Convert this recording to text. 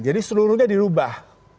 jadi seluruhnya dirubah